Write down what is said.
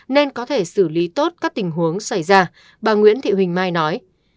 nên có thể xử lý tốt các tình huống xảy ra bà nguyễn thị huỳnh mai nói